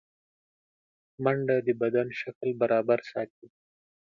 منډه د بدن شکل برابر ساتي